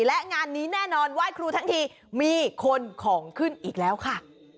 และงานนี้แน่นอนไหว้ครูทั้งทีมีคนของขึ้นอีกแล้วค่ะ